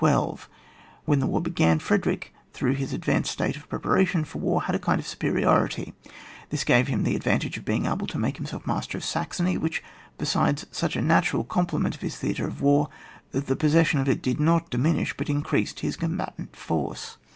Wlien the war began, Frederick, through his advanced state of prepara tion for war, had a kind of superiority, this gave him the advantage of being able to make himself master of Saxony, which was besides such a natural com plement of his theatre of war, that the possession of it did not diminish, but increased, his combatant force.